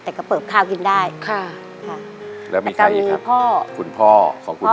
แต่ก็เปิบข้าวกินได้ค่ะแล้วมีใครครับคุณพ่อของคุณป้า